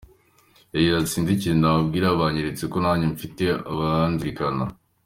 Yagize ati :”Sinzi ikintu nababwira, byanyeretse ko nanjye mfite abanzirikana.